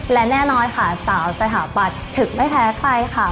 และแน่นอนค่ะสาวสถาปัตย์ถึงไม่แพ้ใครค่ะ